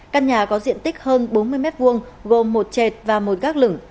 căn nhà có diện tích hơn bốn mươi m hai gồm một chẹt và một gác lửng